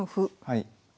はい。